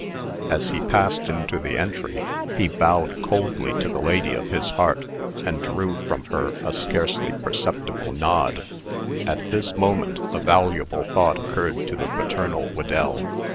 As he passed into the entry, he bowed coldly to the lady of his heart, and drew from her a scarcely perceptible nod. At this moment, a valuable thought occurred to the paternal Whedell.